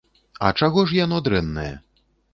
А чаго ж яно дрэннае?